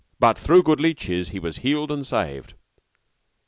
But through good leeches he was healed and saved.